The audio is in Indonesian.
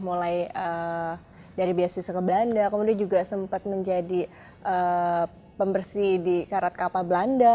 mulai dari beasiswa ke belanda kemudian juga sempat menjadi pembersih di karat kapal belanda